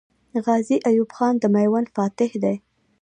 غازي ایوب خان د میوند فاتح دی.